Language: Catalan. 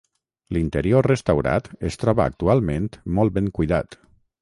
L'interior restaurat es troba actualment molt ben cuidat.